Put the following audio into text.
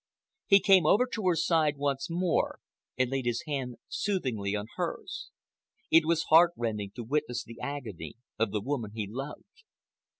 He came over to her side once more and laid his hand soothingly on hers. It was heart rending to witness the agony of the woman he loved.